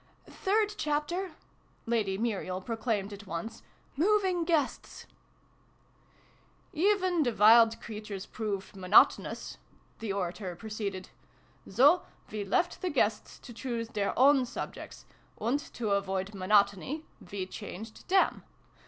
" Third Chapter !" Lady Muriel proclaimed at once, " Moving Guests !"" Even the Wild Creatures proved mono tonous/' the orator proceeded. " So we left the guests to choose their own subjects ; and, to avoid monotony, we changed them.